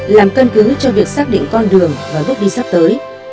làm cân cứ cho việc xác định con đường và gốc đi sắp tới